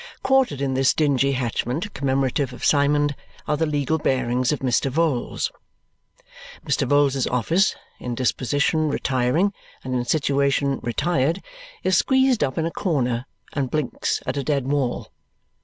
Quartered in this dingy hatchment commemorative of Symond are the legal bearings of Mr. Vholes. Mr. Vholes's office, in disposition retiring and in situation retired, is squeezed up in a corner and blinks at a dead wall.